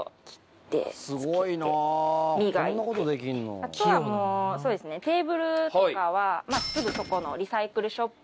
あとテーブルとかはすぐそこのリサイクルショップ